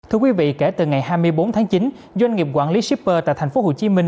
thưa quý vị kể từ ngày hai mươi bốn tháng chín doanh nghiệp quản lý shipper tại thành phố hồ chí minh